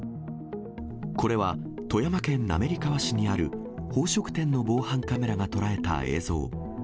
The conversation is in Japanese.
これは富山県滑川市にある、宝飾店の防犯カメラが捉えた映像。